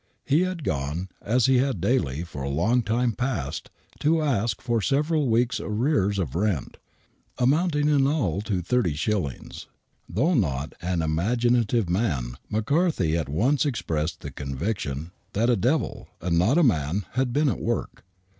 He had gone, as he had daily for a long time past, to ask for several weeks' arrears of rent, amounting in all to thirty shillings. Though not an imaginative man,, McCarthy at once expressed the conviction that a devil, and not a man, had been at work.